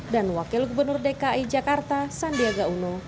dan wakil gubernur dki jakarta sandiaga uno